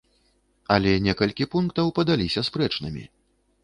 Але некалькі пунктаў падаліся спрэчнымі.